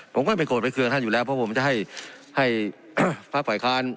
ผมก็ไม่โกรธไปเครื่องท่านอยู่แล้วเพราะผมจะให้ภาคฝ่ายค้าน